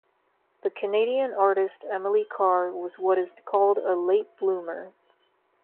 The Canadian artist Emily Carr was what is called a late bloomer.